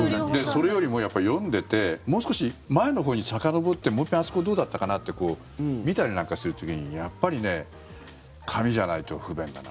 それよりも、読んでてもう少し前のほうにさかのぼってもう一遍あそこどうだったかなって見たりなんかする時にやっぱり紙じゃないと不便だな。